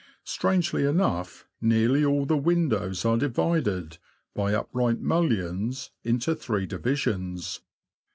Strangely enough, nearly all the windows are divided, by upright mullions, into three divisions.